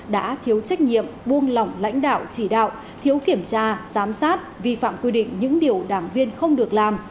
đã thiếu trách nhiệm buông lỏng lãnh đạo chỉ đạo thiếu kiểm tra giám sát vi phạm quy định những điều đảng viên không được làm